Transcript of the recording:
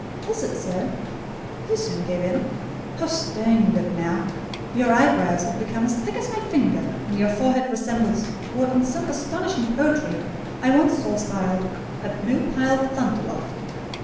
"Is it, sir? You soon give in. How stern you look now! Your eyebrows have become as thick as my finger, and your forehead resembles what, in some very astonishing poetry, I once saw styled, 'a blue piled thunderloft.